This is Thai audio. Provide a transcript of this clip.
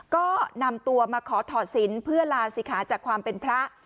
ก็นำตัวมาขอถอดศิลป์เพื่อลาศิขาจากความเป็นพระ